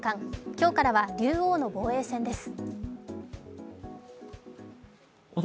今日からは竜王の防衛戦です。